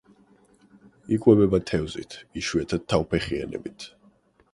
იკვებება თევზით, იშვიათად თავფეხიანებით.